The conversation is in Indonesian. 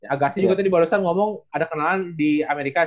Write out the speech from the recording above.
agassi juga tadi baru saja ngomong ada kenalan di amerika